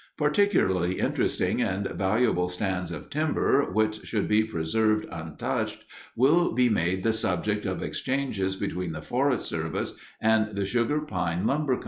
Particularly interesting and valuable stands of timber which should be preserved untouched will be made the subject of exchanges between the Forest Service and the Sugar Pine Lumber Co.